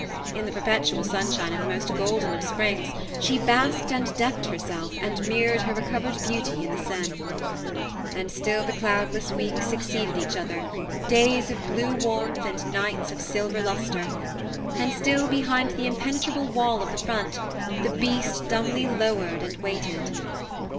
In the perpetual sunshine of the most golden of springs she basked and decked herself, and mirrored her recovered beauty in the Seine. And still the cloudless weeks suc ceeded each other, days of blue warmth and nights of silver lustre ; and still, behind the impenetrable wall of the front, the Beast dumbly lowered and waited.